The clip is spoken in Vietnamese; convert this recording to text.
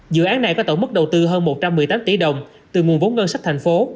dự án này có tổng mức đầu tư hơn một trăm một mươi tám tỷ đồng từ nguồn vốn ngân sách thành phố